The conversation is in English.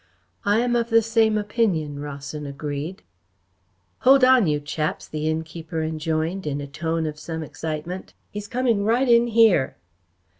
"I am of the same opinion," Rawson agreed. "Hold on, you chaps!" the innkeeper enjoined, in a tone of some excitement. "He's coming right in here!"